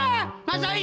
udah terusin terusin